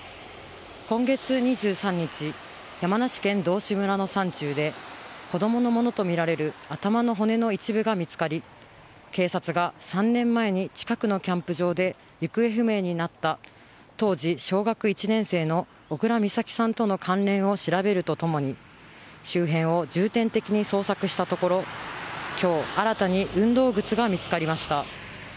今月２３日山梨県道志村の山中で子どものものとみられる頭の骨の一部が見つかり警察が３年前に近くのキャンプ場で行方不明になった当時小学１年生の小倉美咲さんとの関連を調べるとともに周辺を重点的に捜索したところ今日、新たに運動靴が見つかりました。